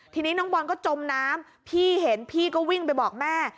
ทีนี้น้องบอลก็จมน้ำพี่เห็นพี่ก็วิ่งไปบอกแม่